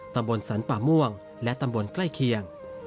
ตำบลสรรป่าม่วงและตำบลใกล้เคียง